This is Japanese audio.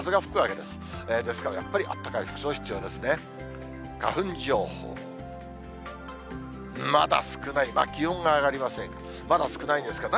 ですからやっぱりあったかい服装、必要ですね。